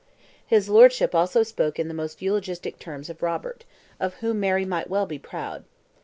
His Lordship also spoke in the most eulogistic terms of Robert, of whom Mary might well be proud.